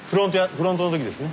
フロントの時ですね。